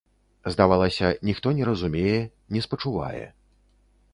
Здавалася, ніхто не разумее, не спачувае.